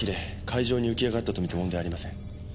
海上に浮き上がったと見て問題ありません。